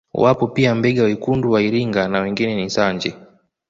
Wapo pia Mbega wekundu wa Iringa na wengine ni Sanje